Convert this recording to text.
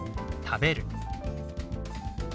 「食べる」。